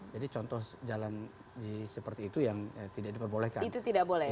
jadi contoh jalan seperti itu yang tidak diperbolehkan itu tidak boleh ya